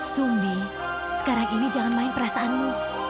sumbi sekarang ini jangan main perasaanmu